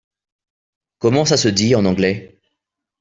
Comment ça se dit en anglais ?